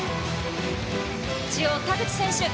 中央、田口選手。